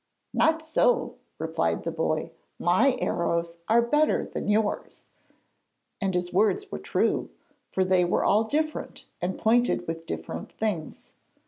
'Not so,' replied the boy. 'My arrows are better than yours.' And his words were true, for they were all different, and pointed with different things.